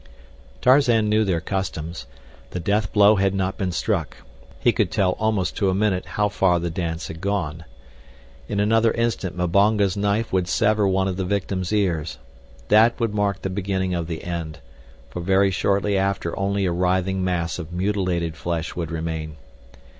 Tarzan knew their customs. The death blow had not been struck. He could tell almost to a minute how far the dance had gone. In another instant Mbonga's knife would sever one of the victim's ears—that would mark the beginning of the end, for very shortly after only a writhing mass of mutilated flesh would remain.